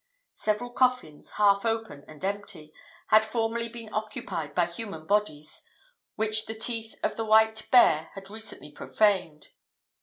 Several coffins, half open and empty, had formerly been occupied by human bodies, which the teeth of the white bear had recently profaned.